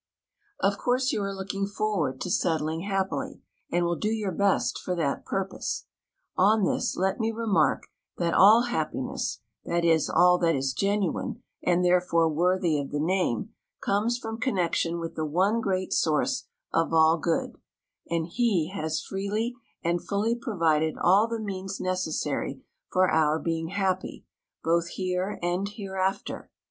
Of course you are looking forward to settling happily, and will do your best for that purpose. On this let me remark that all happiness (that is, all that is genuine, and therefore worthy of the name) comes from connection with the one great source of all good, and He has freely and fully provided all the means necessary for our being happy, both here and hereafter.